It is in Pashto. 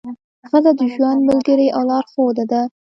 ښځه د ژوند ملګرې او لارښوده ده.